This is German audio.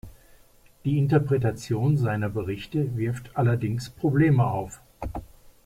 Die Interpretation seiner Berichte wirft allerdings Probleme auf.